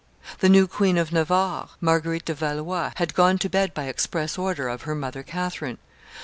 The new Queen of Navarre, Marguerite de Valois, had gone to bed by express order of her mother Catherine.